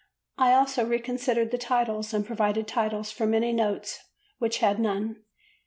I also reconsidered the titles and provided titles for many notes which had none.